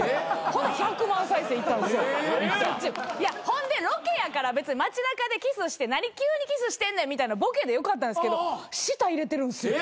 ほんでロケやから街中でキスして何急にキスしてんねんみたいなボケでよかったんすけど舌入れてるんすよ。